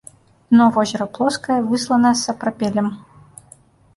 Дно возера плоскае, выслана сапрапелем.